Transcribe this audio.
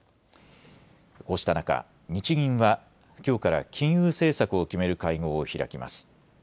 こうした中、日銀はきょうから金融政策を決める会合を開きます。